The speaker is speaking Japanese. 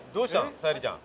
沙莉ちゃん。